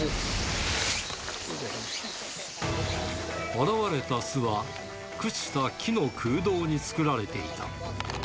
現れた巣は、朽ちた木の空洞に作られていた。